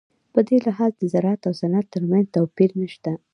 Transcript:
په دې لحاظ د زراعت او صنعت ترمنځ توپیر نشته.